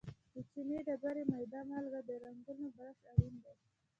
د چونې ډبرې، میده مالګه او د رنګولو برش اړین دي.